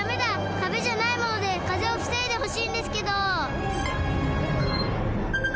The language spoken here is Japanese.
かべじゃないもので風をふせいでほしいんですけど！